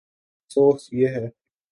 افسوس، یہ ہے۔